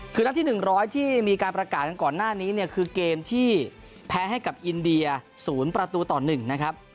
คือนัดที่๑๐๐ที่มีการประกาศกันก่อนหน้านี้เนี่ยคือเกมที่แพ้ให้กับอินเดีย๐ประตูต่อ๑นะครับ